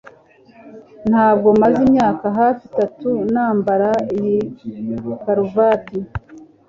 Ntabwo maze imyaka hafi itatu nambara iyi karuvati